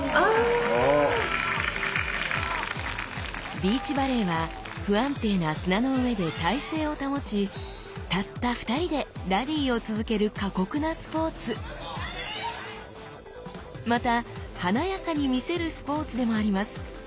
ビーチバレーは不安定な砂の上で体勢を保ちたった２人でラリーを続ける過酷なスポーツまた華やかにみせるスポーツでもあります。